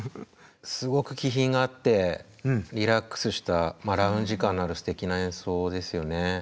すごく気品があってリラックスしたラウンジ感のあるすてきな演奏ですよね。